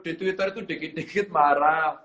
di twitter itu dikit dikit marah